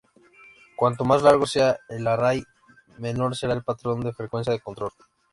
Cuanto más largo sea el array, menor será el patrón de frecuencia de control.